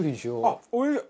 あっおいしい！